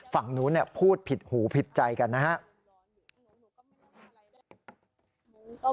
ฝั่งนู้นพูดผิดหูผิดใจกันนะครับ